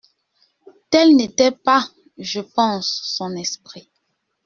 Tel n’était pas, je pense, son esprit.